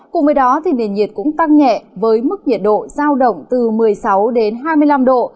cùng với đó nền nhiệt cũng tăng nhẹ với mức nhiệt độ giao động từ một mươi sáu đến hai mươi năm độ